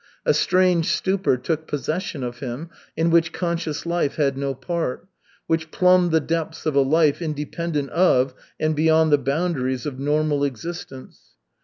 A strange stupor took possession of him, in which conscious life had no part, which plumbed the depths of a life independent of and beyond the boundaries of normal existence.